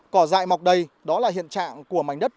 cỏ dại mọc đầy đó là hiện trạng của mảnh đất